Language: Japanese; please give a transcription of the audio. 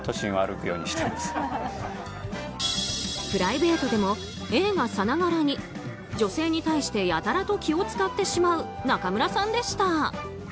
プライベートでも映画さながらに女性に対してやたらと気を使ってしまう中村さんでした。